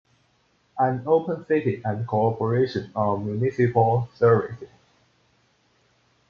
An open city and cooperation on municipal services.